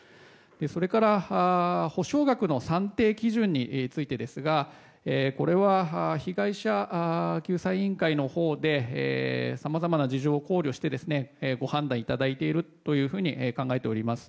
それから、補償額の算定基準についてですがこれは被害者救済委員会のほうでさまざまな事情を考慮してご判断いただいていると考えております。